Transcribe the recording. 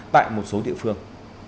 tại một số địa phương